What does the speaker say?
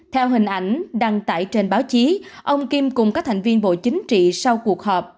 theo hình ảnh đăng tải trên báo chí ông kim cùng các thành viên bộ chính trị sau cuộc họp